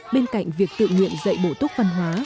bên cạnh việc tự nguyện dạy bộ tốt văn hóa